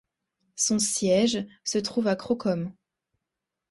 Son siège se trouve à Krokom.